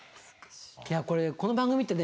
いやこれこの番組ってね